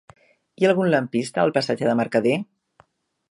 Hi ha algun lampista al passatge de Mercader?